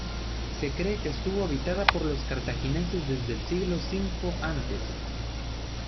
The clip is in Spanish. Se cree que estuvo habitada por los cartagineses desde el siglo V a.